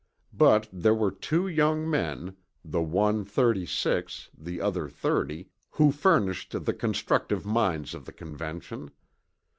But there were two young men, the one 36, the other 30, who furnished the constructive minds of the Convention.